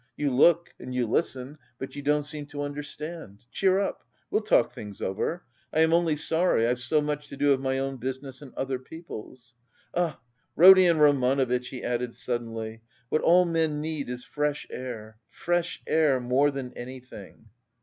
You look and you listen, but you don't seem to understand. Cheer up! We'll talk things over; I am only sorry, I've so much to do of my own business and other people's. Ah, Rodion Romanovitch," he added suddenly, "what all men need is fresh air, fresh air... more than anything!"